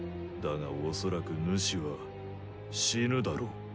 だが恐らくヌシは死ぬだろう。